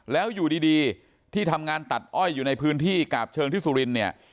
แล้วอยู่ดีที่ทำงานตัดอ้อยอยู่ในพื้นที่กาบเชิงที่สุรินเนี่ย